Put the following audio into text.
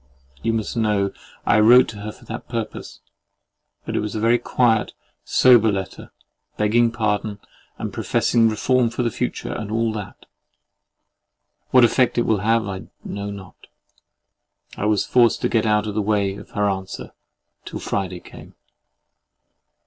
You must know I wrote to her to that purpose, but it was a very quiet, sober letter, begging pardon, and professing reform for the future, and all that. What effect it will have, I know not. I was forced to get out of the way of her answer, till Friday came.